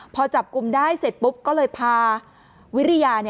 พอจับกลุ่มได้เสร็จปุ๊บก็เลยพาวิริยา